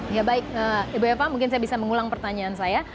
ya baik ibu eva mungkin saya bisa mengulang pertanyaan saya